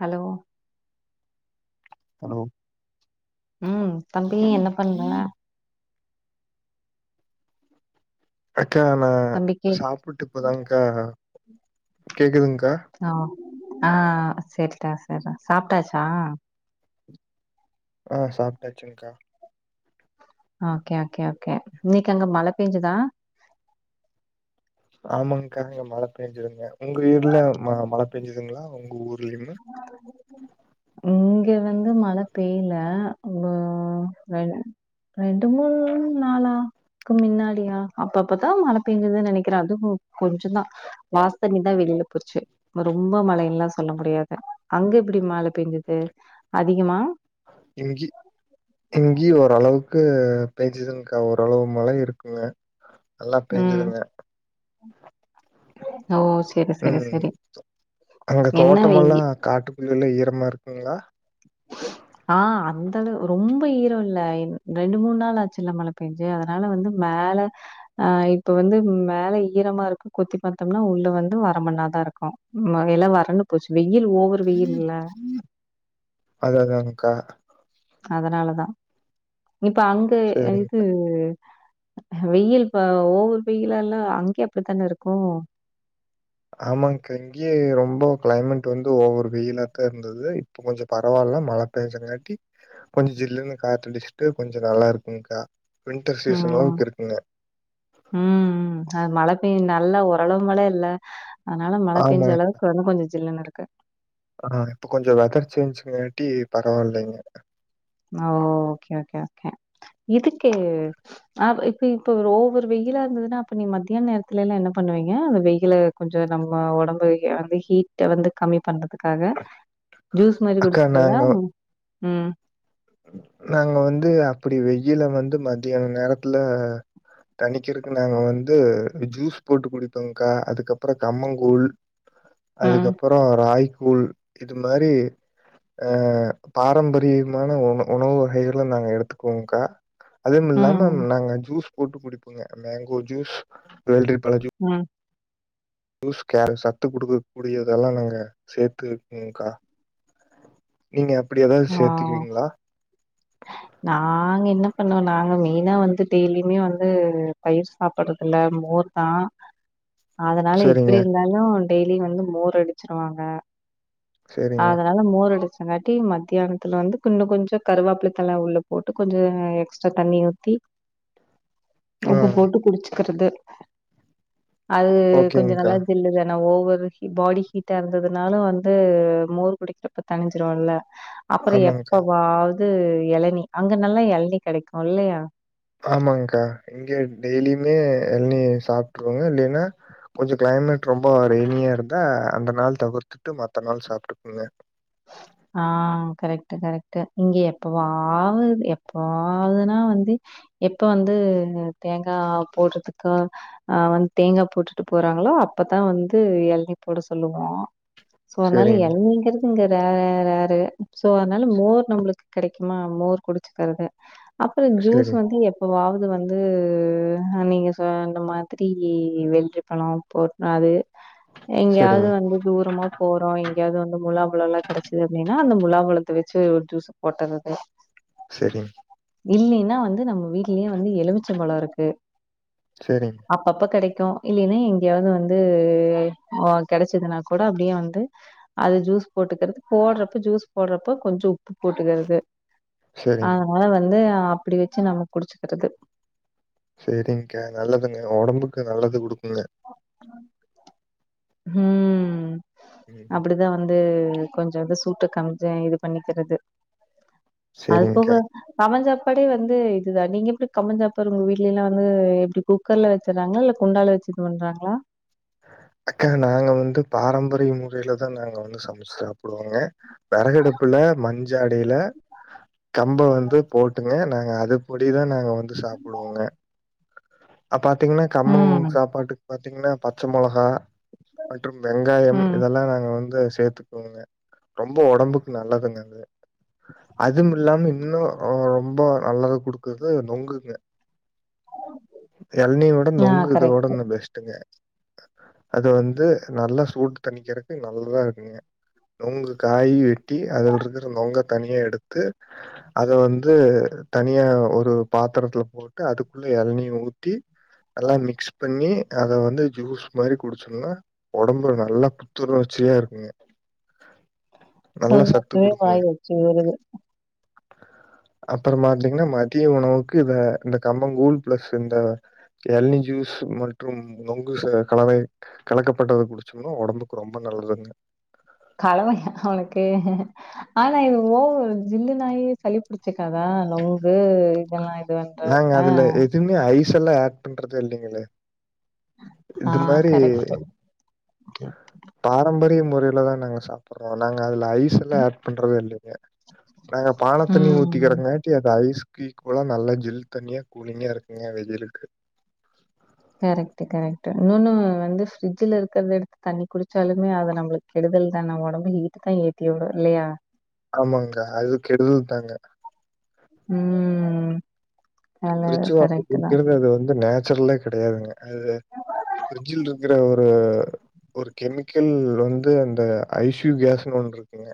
Hello hello ம் தம்பி என்ன பண்ற அக்கா நா தம்பி கேக் சாப்புட்டு இப்பதாங்கா கேக்குதுங்கா ஆ ஆ சர்டா சர்ரா சாப்ட்டாச்சா ஆ சாப்ட்டாச்சுங்கா அ கே ஓகே ஓகே இன்னனிக்கு அங்க மழ பேஞ்சுதா ஆமாங்கா இங்க மழ பெஞ்சதுங்க உங்க வீர்ல மழ மழ பெஞ்சுதுங்ளா உங்க ஊர்லியுமே [unintelligible] இங்க வந்து மழ பெய்ல ‌இங் கோ பெய்ல ரெண்டு மூன்னு நாளா க்கு மின்னாடியா அப் அப்பதா மழ பெஞ்சுது நெனைக்கிற அது கொ கொஞ்சதா வாஸ் தண்ணிதா வெளில போச்சு ரொம்ப மழைல்லா சொல்ல முடியாது அங்க எப்டி மா பேஞ்சுது அதிகமா இங்கி இங்கியூ ஓரளவுக்கு அ பேஞ்சிதுங்க ஓரளவு மழ இருக்குங்க நல்லா ம் பேஞ்சுதுங்க ஓ செரி செரி ம் செரி என்ன வீங்கி காட்டுக்குள்ள எல்லா ஈரமா இருக்குங்ளா ஆ அந்தளவு ரொம்ப ஈரோல்ல ரெண்டு மூணு நாள் ஆச்சுல மழ பேஞ் சி அதனால வந்து மேல அ இப்ப வந்து மேல ஈரமா இருக்கு கொத்தி பாத்தோம்னா உள்ள வந்து வரமன்னாதா இருக்கு மழயெல்லா வரன்டு போச்சு வெயில் ஓவர் வெயில் இல்ல. அத அதாங்கா அதனாலதா இப்ப அங்க இது சேரிங்க்கா வெயில் இப்ப ஓவர் வெயிலால்லா அங்கேயு அப்டிதான இருக்கு ஆமாங்கா இங்கேயு ரொம்போ க்ளைமேட் வந்து ஒவ்வொரு வெயிலாத்தா இருந்தது இப்போ கொஞ்சோ பரவால்ல மழ பேஞ்சது காட்டி கொஞ்சோ ஜில்லுன்னு காத்தடிச்சுட்டு கொஞ்சோ நல்லாருக்குங்கா வின்டர் சீசனளவுக்கு இருக்குங்க ம் ம் அது மழ பேய் நல்ல ஓரளவு மழயில்ல அதனால மழ பேஞ்ச ஆமாங்க அளவுக்கு வந்து கொஞ்சோ ஜில்லுன்னு இருக் ஆ இப்போ கொஞ்சோ வெதர் சேன்ஜ் காட்டி பரவால்லைங்க அ ஓகே ஓகே ஓகே இதுக்கு ஆ இப் ப்பி இப்போ ஒரு ஓவர் வெயிலா இருந்ததுனா அப்ப நீங்க மத்தியான நேர்த்தலெல்லா என்ன பண்ணுவீங்க அந்த வெயில கொஞ்சோ நம்ம ஒடம்பு வந்து ஹீட்ட வந்து கம்மி பண்றது க்காக ஜூஸ் மாரி அக்கா குடிச்சுக்கறதா நாங்க ம் நாங்க வந்து அப்படி வெயில வந்து மத்தியான நேரத்துல தணிக்கிறதுக்கு நாங்க வந்து ஜூஸ் போட்டு குடிப்போங்கா அதுக்கப்புறோ கம்மங்கூழ் அதுக்கப்புறோ ராயிகூழ் இது மாரி ஆ பாரம்பரிய மான உண் உணவு வகைகள் நாங்க எடுத்துக்கோவோங்கா அதுன்னுல்லாம ம், நாங்க ஜூஸ் போட்டு குடிப்போங்க மேங்கோ ஜூஸ் வெள்ரி பழோ ஜூஸ் ம் ஜூஸ் கேரட் சத்து குடுக்க கூடியதெல்லா நாங்க சேத்துக்குவோங்கா நீங்க அப்படி ஏதாவது ஆ. சேத்துக்கிவீங்களா நாங்க என்ன பண்ணுவோ நாங்க மெயினா வந்து டெய்லியுமே வந்து பயிர் சாப்பட்றதுல மோர்தா அதனால சேரிங்க எப்பிடி இருந்தாலு டெய்லி வந்து மோர் அடிச்சிருவாங்க சேரிங்க அதனால மோர் அடிச்சங்காட்டி மத் தியானத்துல வந்து இன்னு கொஞ்சோ கருவேப்பில தழ உள்ள போட்டு கொஞ்சோ எக்ஸ்ட்ரா தண்ணி ஊத்தி ஆ உப்பு போட்டு குடிச்சுக்கறது அது கொஞ்சோ ஓகேங்க்கா நல்லா ஜில்லுதானா ஒவரு பாடி ஹீட்டா இருந்ததுனாலு வந்து மோர் குடிக்கிறப்ப தனிஞ்சிரும்ல அப்புறோ ஆமாங்க்கா எப்பவாவது எளநீ அங்க நல்லா எளநீ கெடைக்குல்லையா ஆமாங்கா இங்க டெய்லியுமே எளநீ சாப்ட்டுருவோங்க இல்லன்னா கொஞ்சோ கிளைமேட் ரொம்ப ரெய்னியா ருந்தா அந்த நாள் தவுர்த்துட்டு மத்த நாள் சாப்ட்டுக்குவோங்க ஆ கரெக்ட் கரெக்ட் இங்க எப்பவாது எப்பவாகுதுன்னா வந்து எப்ப வந்து தேங்கா போட்றதுக்கா அ வந்து தேங்கா போட்டுட்டு போறாங்களோ அப்பதா வந்து எளநீ போட சொல்லுவோ சோ அதனால சேரிங்க எளநீங்கறது இங்க ரே ரேரு சோ அதனால மோர் நம்மளுக்கு கெடைக்குமா மோர் குடிச்சுக்கறது அப்புறோ ஜூஸ் சேரி வந்து எப் பவாவுது வந்து நீங்க சொன்ன மாதிரி வெள்ரிப்பழோ போட் னாது எங்கயாவது சேரிங்க வந்து தூரமா போறோம் எங்கேயாவது வந்து முலாம்பழோலா கெடச்சா அப்படின்னா அந்த தேட்னினா அந்த முலாம் பழத்த வச்சு ஒரு ஜூஸ போட்டுர்றது செர்ரி இல்லீன்னா வந்து நம்ம வீட்லேயே வந்து எலுமிச்ச பழோ இருக்கு செரி அப்பப்ப கெடக்கு இல்லைன்னா எங்கேயாவது வந்து கெடச்சதுன்னா கூட அப்டியே வந்து அது ஜூஸ் போட்டுகர்து போடுறப்ப ஜூஸ் போடுறப்ப கொஞ்சோ உப்பு போட்டுக்கர்றது சேரிங்க அவ்தா அத வந்து அப்டி வச்சு நம்ம குடிச்சுக்கர்றது செரிங்க்கா நல்லதுங்க ஒடம்புக்கு நல்லது குடுக்குங்க ம் ம் அப்டி தா வந்து கொஞ்சோ வந் சூட்ட கமிஞ்ச இது பண்ணிக்கிறது அது சேரிங்க்கா போக கம்மஞ் சாப்பாடே வந்து இதுதான் நீங்க எப்டி கம்மஞ் சாப்பாடு உங்க வீட்லலாம் வந்து எப்டி குக் கர்ல வச்சறாங்களா இல்ல குண்டால வச்சு இது பண்றாங்களா அக்கா நாங்க வந்து பாரம்பரிய முறையிலதான் நாங்க வந்து சமச்சு சாப்பிடுவோங்க விறகெடுப்புல மண்சாடில கம்ப வந்து போட்டுங்க நாங்க அதுப் பொடிதான் நாங்க வந்து சாப்பிடுவோங்க அ பாத்தீங்கன்னா கம்மங் ம். சாப்பாட்டுக்கு பாத்தீங்கன்னா பச்ச மொளகா மற்றும் வெங்காயம் ம். இதெல்லாம் நாங்க வந்து சேத்து கோங்க ரொம்ப ஒடம்புக்கு நல்லதுங்க அது அதுவம்மில்லாம இன்னு ரொம்ப நல்லத குடுக்குறது நொங்குங்க எளனீ வுட ஆ நுங்குதோட கரெக்ட்டு. இது பெஸ்ட்டுங்க அது வந்து நல்லா சூட்டு தண்ணிக்கிறதுக்கு நல்லதா இருக்குங்க நொங்கு காய் வெட்டி அதுல இருக்குற நொங்க தனியா எடுத்து அத வந்து தனியா ஒரு பாத்திரத்துல போட்டு அதுக்குள்ள எளநீய ஊத்தி நல்லா மிக்ஸ் பண்ணி அத வந்து ஜூஸ் மாதிரி குடிச்சோன்னா ஒடம்புல நல்லா புத்துணர்ச்சியா இருக்குங்க நல்லா சத்து சொல்றபையே குடுக்குங்க. வாயல எச்சு ஊறுது அப்றோ பாத்தீங்கன்னா மதிய உணவுக்கு இத இந்த கம்போ கூல் ப்ளஸ் இந்த எளநீ ஜூஸ் மற்றும் நொங்கு சே கலவை கலக்கப்பட்டது குடிச்சோம்னா ஒடம்புக்கு ரொம்ப நல்லதுங்க கலவையா அவனக்கு ஆனா இது ஓவர் ஜில்லுன்னு ஆயி சளி பிடிச் வச்சக்காதா நொங்கு இதெல்லாம் இது வந் நாங்க அதுல எதுவுமே ஐஸ் எல்லாம் ஆட் பண்றதே இல்லீங்களே ஆ இது மாரி கரெக்ட்டு. பாரம்பரிய முறையில தான் நாங்க சாப்பிடுறோம் நாங்க அதுல ஐஸ் ஸெல்லா அட் பண்றது இல்லைங்க நாங்க பானத்தண்ணி ம். ஊத்திக்கிறோங்க அது ஐஸ்க் கியூ ப்லா நல்லா ஜில் தண்ணியா கூலிங்கா இருக்குங்க வெயிலுக்கு கரெக்ட் கரெக்ட் இன்னொன்னு வந்து ஃப்ரிட்ஜ இருக்கற எடுத்து தண்ணி குடிச்சாலுமே அத நம்மளுக்கு கெடுதல் தான் ஒடம்பு ஹீட்டுதா ஏத்தி விடும் இல்லையா ஆமாங்கா அது கெடுதல் தாங்க உம் பிரிட்ஜ் வாட்டர் குடிக்கிறது அது வந்து நேச்சுரலே கெ‌டையாதுங்க அது பிரிட்ஜில் இருக்கிற ஒரு ஒரு கெமிக்கல் வந்து அந்த ஐஸ்யூ கேஸ்ன்னு ஒன்னு இருக்குங்க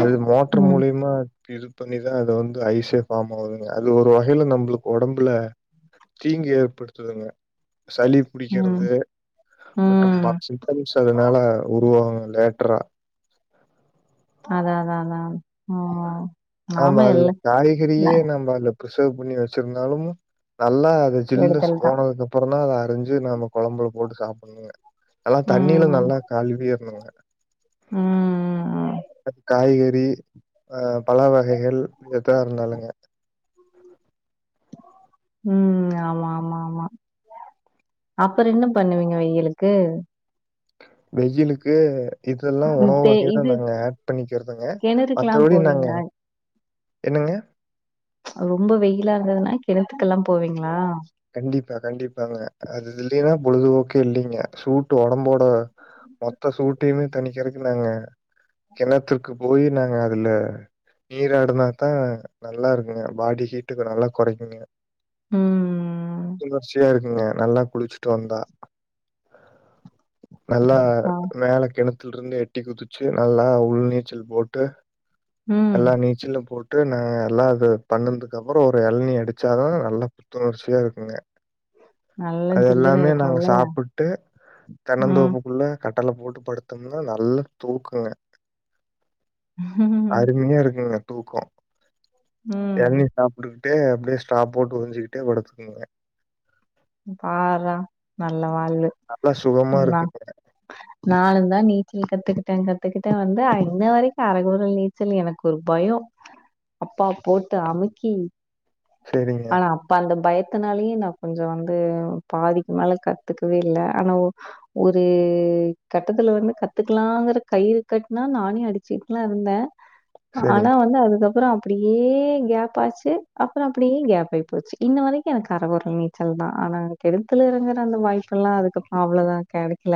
அது மோட்டர் ம், மூல்யமா இது பண்ணிதா அத வந்து ஐஸே ஃபார்ம் ஆவுதுங்க இது ஒரு வகையில நம்ளுக்கு ஒடம்புல தீங்கு ஏற்படுத்துதுங்க சளி ம், புடிக்கிறது மற்றும் ம். பாப்ஸூ ஃபங்க்ஸ் அதுனால உருவாவுங்க லேட்டுரா அதா அதா அதா ஓ ஆமா அதுல காய்கறியே நான் நம்ம அதுல பிரிசர்வ் பண்ணி வச்சிருந்தாலும் நல்லா அத ஜில்னஸ் கெடுதல் தான். போனதுக்கு அப்றோ தா அத அரிஞ்சு நாம கொழம்புல போட்டு சாப்புட்ணுங்க நல்லா ம், தண்ணியில ம், நல்லா கழுவிரணுங்க ம், காய்கறி அ பழ வகைகள் எதா இருந்தாலுங்க ம் ஆமா ஆமா ஆமா அப்றோ என்ன பண்ணுவீங்க வெயிலுக்கு வெயிலுக்கு இதெல்லா உணவு தே வகைள இது நாங்க ஆட் பண்ணிக்குறதுங்க கிணறுக்கெல்லாம் மத்தபடி நாங்க போவீங்களா? என்னங்க ரொம்ப வெயிலா இருந்ததுன்னா கிணத்துக்கெல்லா போவீங்களா கண்டிப்பா கண்டிப்பாங்க அது இல்லைன்னா பொழுதுபோக்கே இல்லைங்க சூட்டு உடம்போட மொத்த சூட்டையுமே தணிக்கிறக்கு நாங்க கிணத்திற்கு போயி நாங்க அதுல நீராடுனாதா நல்லா இருக்குங்க பாடி ஹீட்டுக்கு நல்லா கொறைக்குங்க ம் ம் குளிர்ச்சியா இருக்குங்க நல்லா குளிச்ட்டு வந்தா நல்லா ஆ. மேல கெணத்துல இருந்து எட்டி குதிச்சு நல்லா உள் நீச்சல் போட்டு ம். எல்லா நீச்சலும் போட் டு நாங்க எல்லா இது பண்ணதுக்கு அப்புறோ ஒரு எள்னி அடிச்சாதா நல்லா புத்துணர்ச்சியா இருக்குங்க நல்லா அது ஜில்லுன்னு எல்லாமே இருக்கும் நாங்க இல்லையா? சாப்பிட்டு ம். தென்னந்தோப்புக்குள்ள கட்டல போட்டு படுத்தம்னா நல்லா தூக்கோங்க அருமையா இருக்குங்க தூக்கோ ம். எள்நீ சாப்ட்டு டே அப்டியே ஸ்ட்ரா போட்டு உரிஞ்சிக்கிட்டே படுத்துக்கோங்க பார்றா நல்ல வாழ்வு நல்லா சுகமா இருக்குங்க ஆ நானுந்தா நீச்சல் கத்துக்கிட்டே கத்துக்கிட்டே வந்து இன்ன வரைக்கு அரக்குறல் நீச்சல் எனக்கு ஒரு பயோ அப்பா போட்டு அமுக்கி செரிங்க ஆனா அப்ப அந்த பயத்தினாலயே நா கொஞ்சோ வந்து பாதிக்கு மேல கத்துக்கவே இல்ல ஆனா ஓ ஒரு கட்டத்துல வந்து கத்துக்கலாங்கிற கயிறு கட்னா நானே அடிச்சுட்லா இருந்தே ஆனா சரிங்க, வந்து அதுக்கப்றோ அப்டியே கேப் ஆச்சு அப் அப்றோ அப்டியே கேப் ஆயி போச்சு இன்ன வரைக்கு எனக்கு அரகுரல் நீச்சல் தா ஆனா கெணத்துல எறங்கிற அந்த வாய்ப்பெல்லா அதுக்கப் அவ்ளோதா கெடைக்கல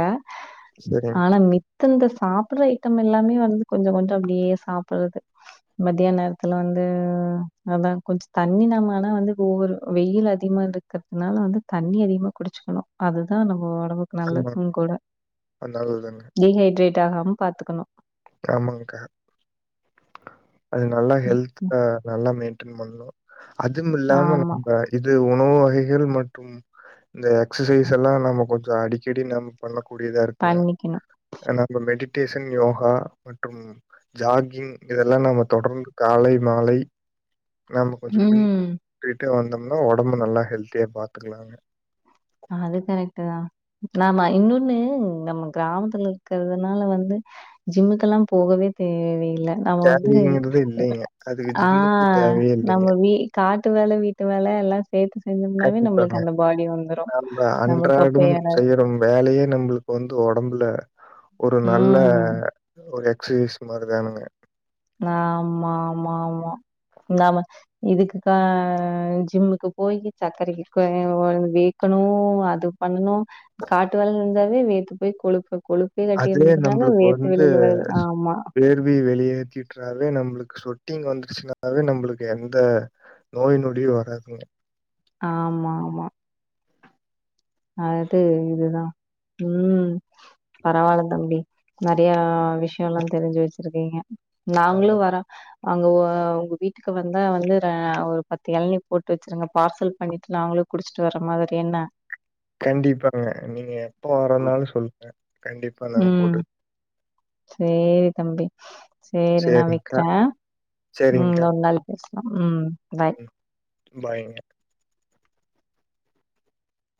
சரிங் நாலா மித்த இந்த சாப்பிடுற ஐட்டம் எல்லாமே வந்து கொஞ்ச கொஞ்சோ அப்டியே சாப்பிட்றது மதியான நேரத்துல வந்து அதா கொஞ்ச தண்ணி நம்ம ஆனா வந்து ஒவ்வொரு வெயில் அதிகமா இருக்கிறதுனால வந்து தண்ணி அதிகமா குடிச்சுக்கணு அதுதான் நம்ம உடம்புக்கு ஆமா. நல்லதும் கூட அதனாலதாங்க. டீஹைட்ரேட் ஆகாம பாத்துக்கணும். ஆமாங்க்கா அது நல்லா ம், ம். ஹெல்தா நல்லா மெயின்டென் பண்ணும் அதுவும் இல்லாம ஆமா. நம்ப இது உணவு வகைகள் மற்றும் இந்த எக்சசைஸ்ல்லாம் நம்ம கொஞ்சம் அடிக்கடி நம் பண்ணக்கூடியதா இருக்குல பண்ணிக்கணும். நம்ம மெடிடேஷன் யோகா மற்றும் ஜாகிங் இதெல்லாம் நம்ம தொடர்ந்து காலை மாலை நாம்ம கொஞ்சம் ம். பின்பட்டு வந்தோம்னா உடம்பு நல்லா ஹெல்த்தியா பாத்துக்கலாங்க. அது கரெக்ட் தான் ஆமா இன்னொன்னு நம்ம கிராமத்துல இருக்கிறதுனால வந்து ஜிம்முக்குலாம் போகவே தேவயில்லை. நம்ம வந்துனு தேவைங்கிறது இல்லைங்க. அதுக்கு ஆ ஜிம்முக்கு தேவையே நம்ம இல்லைங்க. வீ காட்டு வேல, வீட்டு வேல எல்லாம் சேத்து செஞ்சோம்னாவே நம்மளுக்கு அந்த பாடி வந்துடும். நா அன்றாடும் செய்யறும் வேலையே நம்மளுக்கு வந்து உடம்புல ஒரு நல்ல ம். ஒரு எக்சசைஸ் மாரிதானுங்க. ஆமா ஆமா ஆமா ஆமா இதுக்குதா ஜிம்முக்கு போயி சக்கரைக்கு [unintelligible] க்கணும் அது பண்ணனும் காட்டு வேலை இருந்தாவே வேத்து போய் கொழுப்ப கொழு ப்ப தட்டி அதுவே இருந்ததுனால வேத்து வெளில வருது ஆமா இதுவே வெளியேத்திட்டாவே நம்மளுக்கு சொட்டிங் வந்துருச்சுனாவே நம்மளுக்கு எந்த நோய் நொடி வராதுங்க ஆமா ஆமா அது இதுதான் ம் பரவால்ல தம்பி நெறைய விஷயம் எல்லாம் தெரிஞ்சு வச்சிருக்கீங்க. ஆமா. நாங்களும் வரோ அங்க உங்க வீட்டுக்கு வந்தா வந்து ஒரு பத்து இளநீ போட்டு வச்சிருங்க பார்சல் பண்ணிட்டு நாங்களும் குடிச்சிட்டு வர்ற மாரி என்ன கண்டிப்பாங்க நீங்க எப்ப வரனாலும் சொல்லுங்க. கண்டிப்பா நாங்க போட்டு சேரி தம்பி சேரி நான் சரிங்க்கா வக்கிறேன் ம் சரிங்க்கா. இன்னொருநாள் பேசலாம் ம் பாய் ம். பாய்ங்க